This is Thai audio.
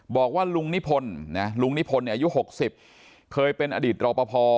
บอกว่าลุงนิพนธ์ลุงนิพนธ์อายุ๖๐เคยเป็นอดีตรอปภ